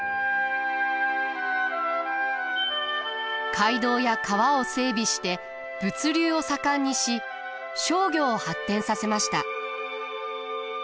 街道や川を整備して物流を盛んにし商業を発展させました。